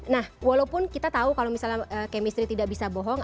nah walaupun kita tahu kalau misalnya chemistry tidak bisa bohong